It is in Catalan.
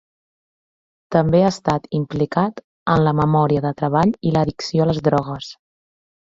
També ha estat implicat en la memòria de treball i l'addicció a les drogues.